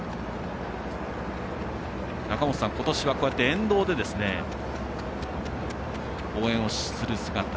中本さん、今年は沿道で応援をする姿。